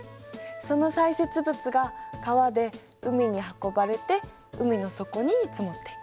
その砕屑物が川で海に運ばれて海の底に積もっていく。